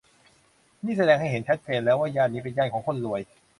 นี่แสดงให้เห็นชัดเจนแล้วว่าย่านนี้เป็นย่านของคนรวย